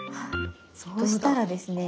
そうしたらですね